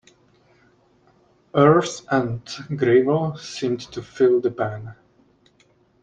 Earth and gravel seemed to fill the pan.